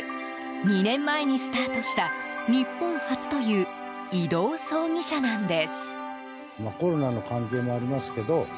２年前にスタートした日本初という移動葬儀車なんです。